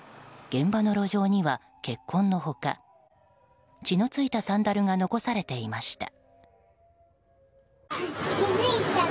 現場の路上には血痕の他血の付いたサンダルが残されていました。